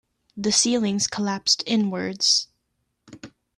The ceiling collapsed inwards.